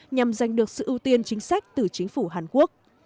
nhằm giành được sự ưu tiên chính sách từ chính phủ hàn quốc